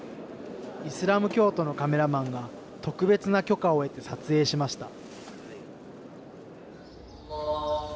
イスラム教徒のカメラマンが特別な許可を得て撮影しました。